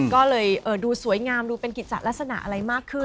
ก็เลยดูสวยงามดูเป็นกิจจัดลักษณะอะไรมากขึ้น